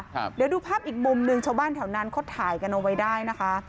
เดี๋ยวดูภาพอีกมุมหนึ่งชาวบ้านแถวนั้นเขาถ่ายกันเอาไว้ได้นะคะ